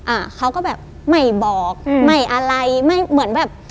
อ่าเขาก็แบบไม่บอกอืมไม่อะไรไม่เหมือนแบบ